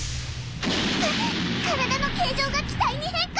体の形状が気体に変化！